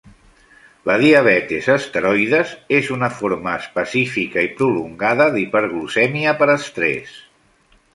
La diabetis esteroides és una forma específica i prolongada d"hiperglucèmia per estrès.